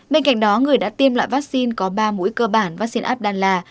bên cạnh đó người đã tiêm lại vaccine có ba mũi cơ bản vaccine abdala